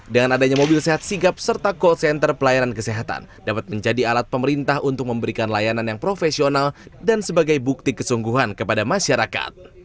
dengan adanya mobil sehat sigap serta call center pelayanan kesehatan dapat menjadi alat pemerintah untuk memberikan layanan yang profesional dan sebagai bukti kesungguhan kepada masyarakat